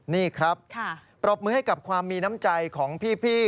นี่ครับปรบมือให้กับความมีน้ำใจของพี่